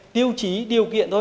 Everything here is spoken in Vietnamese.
tiêu chí điều kiện thôi